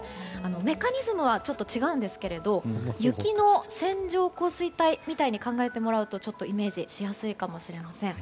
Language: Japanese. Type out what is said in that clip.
メカニズムは違うんですが雪の線状降水帯みたいに考えてもらうとイメージしやすいかもしれません。